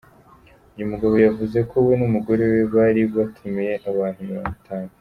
Uyu mugabo yavuze ko we n’umugore bari batumiye abantu mirongo tanu.